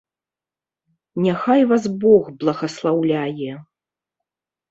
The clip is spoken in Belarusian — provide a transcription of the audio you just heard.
Няхай вас бог благаслаўляе.